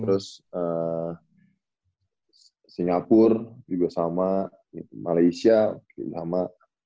terus singapura juga sama malaysia sama